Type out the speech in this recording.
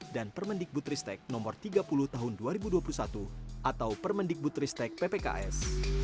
dan permendikbutristek no tiga puluh tahun dua ribu dua puluh satu atau permendikbutristek ppks